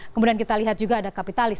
kemudian kita lihat juga ada kapitalis